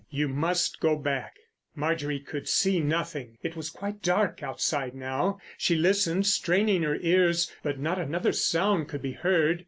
"YOU MUST GO BACK!" Marjorie could see nothing. It was quite dark outside now. She listened, straining her ears, but not another sound could be heard.